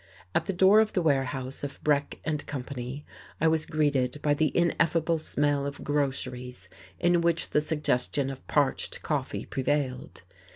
At the door of the warehouse of Breck and Company I was greeted by the ineffable smell of groceries in which the suggestion of parched coffee prevailed.